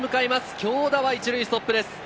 京田は１塁ストップです。